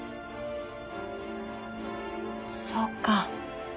そうか。